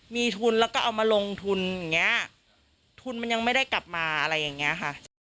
มีทุนแล้วก็เอามาลงทุนอย่างเงี้ยทุนมันยังไม่ได้กลับมาอะไรอย่างนี้ค่ะ